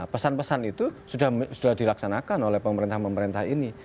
pesan pesan itu sudah dilaksanakan oleh pemerintah pemerintah ini